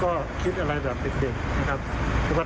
ก็คิดอะไรด้วยพวกเด็กนะครับ